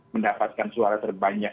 mendapatkan suatu kepentingan